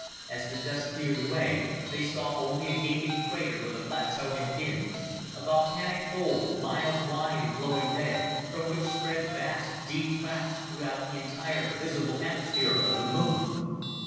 After the dust cleared away, they saw only a gaping crater where the plateau had been a volcanic hole, miles wide and glowing red, from which spread vast, deep cracks throughout the entire visible hemisphere of the moon.